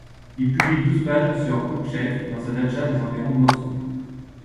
Il publie douze pages sur Krouchtchev dans sa datcha des environs de Moscou.